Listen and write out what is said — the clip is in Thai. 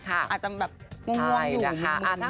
อาจจะแบบงวงอยู่